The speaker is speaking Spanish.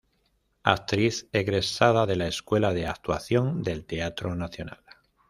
Actriz egresada de la Escuela de Actuación del Teatro Nacional.